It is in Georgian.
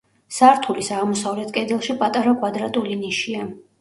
სართულის აღმოსავლეთ კედელში პატარა კვადრატული ნიშია.